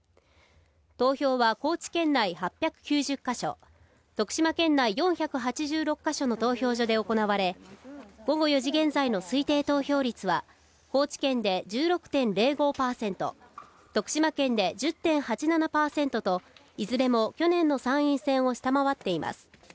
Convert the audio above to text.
投票は高知県内８９０か所、徳島県内４８６か所の投票所で行われ、午後４時現在の推定投票率は高知県で１６．０５％、徳島県で１０．８７％といずれも去年の参院選を下回っています。